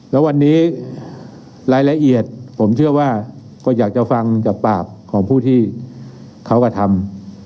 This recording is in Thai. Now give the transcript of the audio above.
แล้ววันนี้รายละเอียดผมเชื่อว่าก็อยากจะฟังจากปากของผู้ที่เขากระทำ